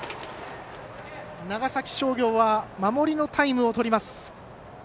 長崎商業は守りのタイムをとります。